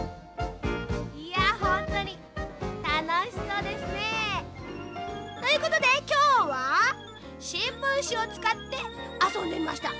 ほんとにたのしそうですね。ということできょうはしんぶんしをつかってあそんでみました。